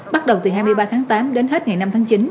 bắt đầu từ hai mươi ba tháng tám đến hết ngày năm tháng chín